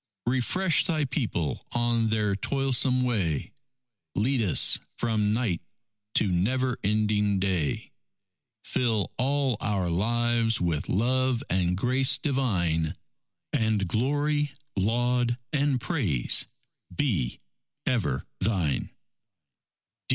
Refresh Thy people on their toilsome way; Lead us from night to never ending day; Fill all our lives with love and grace divine; And glory, laud, and praise be ever Thine!